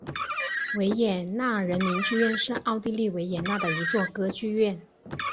维也纳人民剧院是奥地利维也纳的一座歌剧院。